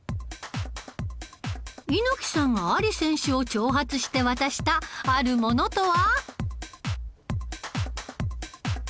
猪木さんがアリ選手を挑発して渡したあるものとは？